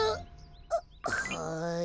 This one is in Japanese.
はい。